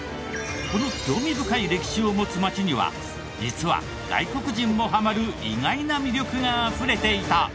この興味深い歴史を持つ街には実は外国人もハマる意外な魅力があふれていた！